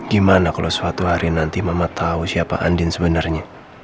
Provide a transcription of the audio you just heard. gimana kalau suatu hari nanti mama tahu siapa andin sebenarnya